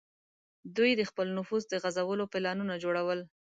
دوی د خپل نفوذ د غځولو پلانونه جوړول.